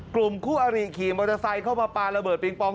กลุ่มคู่อริขี่มอเตอร์ไซค์เข้ามาปลาระเบิดปิงปอง